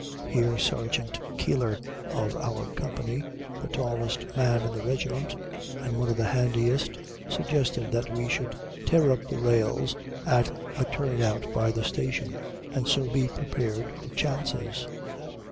Here Sergeant Keeler, of our company, the tallest man in the regiment, and one of the handiest, suggested that we should tear up the rails at a turn out by the station, and so be prepared for chances.